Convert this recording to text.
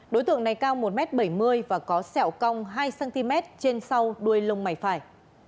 đối tượng này cao một bảy mươi m và có xẹo cong hai cm trên sau đuôi lông mảnh phải